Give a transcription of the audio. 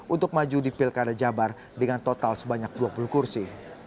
untuk maju di pilkada jabar dengan total sebanyak dua puluh kursi